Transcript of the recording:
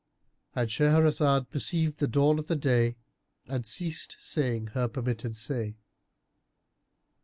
——And Shahrazad perceived the dawn of day and ceased saying her permitted say.